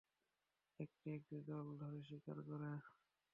নেকড়ে একটি দল ধরে শিকার করে।